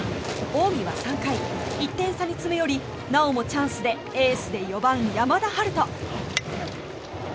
近江は３回、１点差に詰め寄りなおもチャンスでエースで４番山田陽翔。